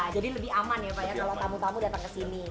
jadi lebih aman ya pak ya kalau tamu tamu datang kesini